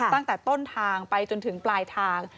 ตั้งแต่ต้นทางไปจนถึงปลายทาง